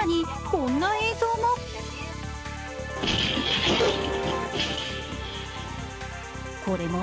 更にこんな映像も